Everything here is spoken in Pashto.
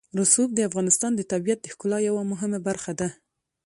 رسوب د افغانستان د طبیعت د ښکلا یوه مهمه برخه ده.